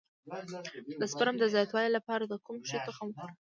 د سپرم د زیاتوالي لپاره د کوم شي تخم وخورم؟